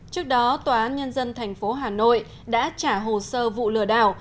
trước đó tòa án nhân dân thành phố hà nội đã trả hồ sơ vụ lừa đảo